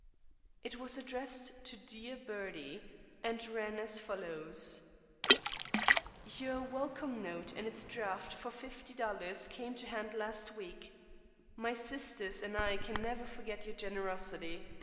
It was addressed to "Dear Bertie," and ran as follows: "Your welcome note and its draft for fifty dollars came to hand last week. My sisters and I can never forget your generosity.